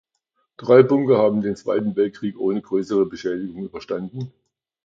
Drei Bunker haben den Zweiten Weltkrieg ohne größere Beschädigungen überstanden.